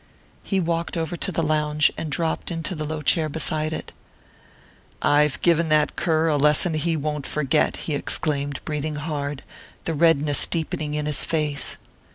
He walked over to the lounge and dropped into the low chair beside it. "I've given that cur a lesson he won't forget," he exclaimed, breathing hard, the redness deepening in his face.